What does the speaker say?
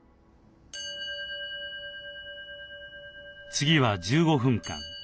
次は１５分間。